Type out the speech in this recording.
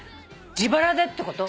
自腹でってこと？